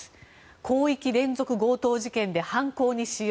広域連続強盗事件で犯行に使用。